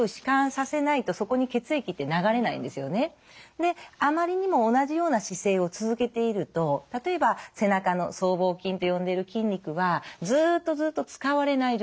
であまりにも同じような姿勢を続けていると例えば背中の僧帽筋と呼んでる筋肉はずっとずっと使われない状態なわけなんです。